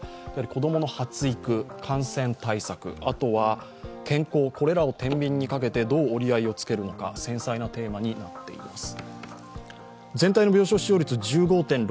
子供の発育、感染対策、あとは、健康、これらをてんびんにかけてどう折り合いを付けるのか繊細なテーマになっています。